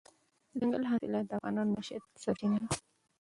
دځنګل حاصلات د افغانانو د معیشت سرچینه ده.